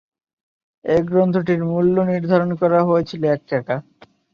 এ গ্রন্থটির মূল্য নির্ধারণ করা হয়েছিল এক টাকা।